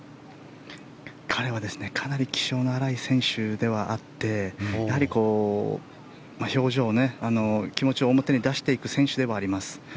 彼はかなり気性の荒い選手ではあってやはり、表情、気持ちを表に出していく選手ではあります。